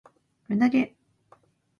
輪投げ